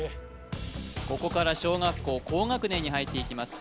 ここから小学校高学年に入っていきます